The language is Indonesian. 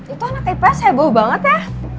itu anak ips heboh banget ya